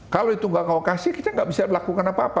kalau itu nggak mau kasih kita nggak bisa melakukan apa apa